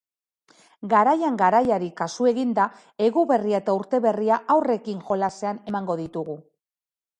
Garaian garaiari kasu eginda eguberria eta urteberria haurrekin jolasean emango ditugu.